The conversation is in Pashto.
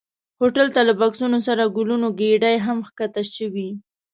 هوټل ته له بکسونو سره ګلونو ګېدۍ هم ښکته شوې.